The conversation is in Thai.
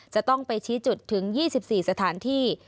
จะต้องไปชี้จุดถึง๒๔สถานที่